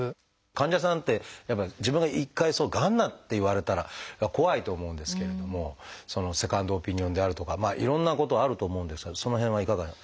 患者さんってやっぱり自分が一回がんなんて言われたら怖いと思うんですけれどもセカンドオピニオンであるとかいろんなことあると思うんですがその辺はいかが？